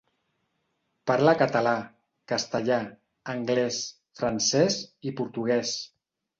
Parla català, castellà, anglès, francès i portuguès.